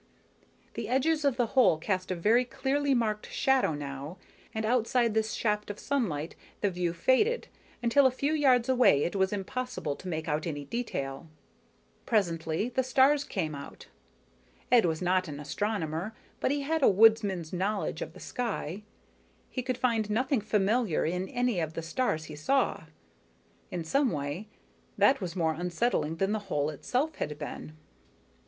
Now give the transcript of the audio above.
The edges of the hole cast a very clearly marked shadow now, and outside this shaft of sunlight the view faded, until a few yards away it was impossible to make out any detail. Presently the stars came out. Ed was not an astronomer, but he had a woodsman's knowledge of the sky. He could find nothing familiar in any of the stars he saw. In some way, that was more unsettling than the hole itself had been.